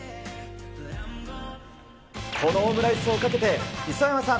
このオムライスをかけて、磯山さん、